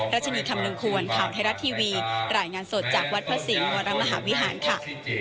รัชนีคำนึงควรข่าวไทยรัฐทีวีรายงานสดจากวัดพระศรีวรมหาวิหารค่ะ